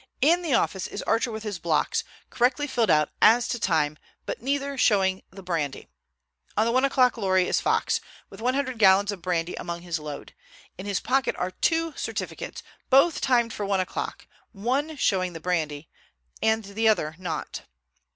In the office is Archer with his blocks, correctly filled out as to time but neither showing the brandy. On the one o'clock lorry is Fox, with one hundred gallons of brandy among his load. In his pocket are the two certificates, both timed for one o'clock, one showing the brandy and the other not."